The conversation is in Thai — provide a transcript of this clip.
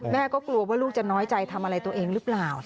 แม่ก็กลัวว่าลูกจะน้อยใจทำอะไรตัวเองหรือเปล่า